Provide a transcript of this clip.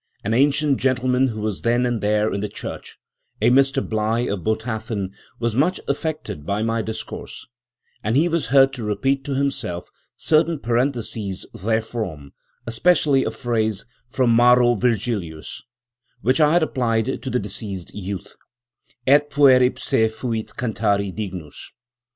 An ancient gentleman who was then and there in the church, a Mr Bligh of Botathen, was much affected by my discourse, and he was heard to repeat to himself certain parentheses therefrom, especially a phrase from Maro Virgilius, which I had applied to the deceased youth, 'Et puer ipse fuit cantari dignus.'